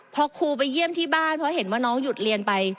พอครูไปเยี่ยมที่บ้านเพราะเห็นว่าน้องหยุดเรียนไป